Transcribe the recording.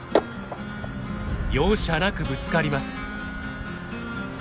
容赦なくぶつかります。